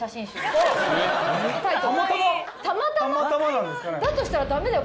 たまたま？